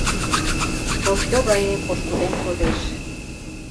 Посто гае пошкудем кодеш.